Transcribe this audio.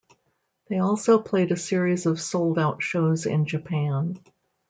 They also played a series of sold-out shows in Japan.